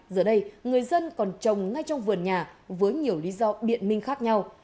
giờ đây người dân còn trồng ngay trong vườn nhà với nhiều lý do biện minh khác nhau